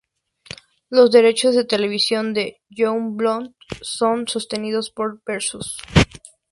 Los derechos de televisión de "Youngblood" son sostenidos por "Versus".